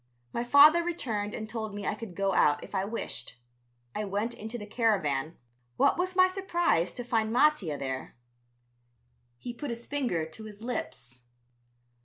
My father returned and told me I could go out if I wished. I went into the caravan. What was my surprise to find Mattia there. He put his finger to his lips.